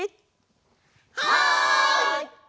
はい！